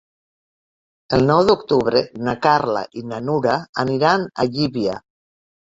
El nou d'octubre na Carla i na Nura aniran a Llívia.